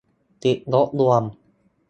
ติดลบรวม